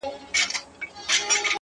هله بهیاره بیا له دې باغه مېوې وباسو